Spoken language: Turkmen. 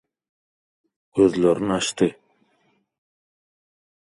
Gözlerini açdy.